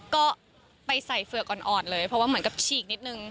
ก็ไปใส่เฝือกอ่อนเลยเพราะว่าเหมือนกับฉีกนิดนึง